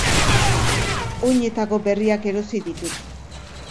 Oinetako berriak erosi ditut